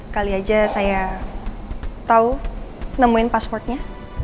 kali aja saya tahu nemuin passwordnya